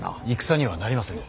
戦にはなりませぬ。